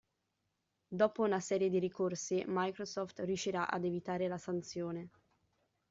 Dopo una serie di ricorsi Microsoft riuscirà ad evitare la sanzione.